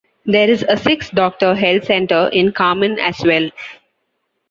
There is a six-doctor Health Centre in Carman as well.